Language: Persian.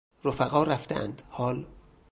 رفقا رفته اند حال